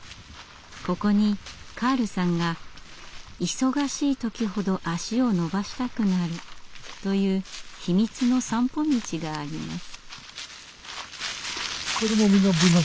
ここにカールさんが忙しい時ほど足を伸ばしたくなるという秘密の散歩道があります。